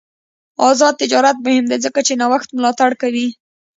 آزاد تجارت مهم دی ځکه چې نوښت ملاتړ کوي.